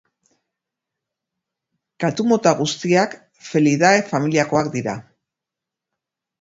Katu mota guztiak Felidae familiakoak dira.